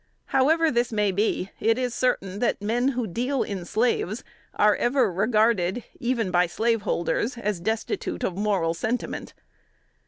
However this may be, it is certain that men who deal in slaves, are ever regarded, even by slaveholders, as destitute of moral sentiment.